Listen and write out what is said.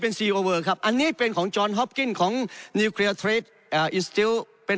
เป็นครับอันนี้เป็นของจอร์นฮอฟกิ้ลของอ่าอ่าเป็น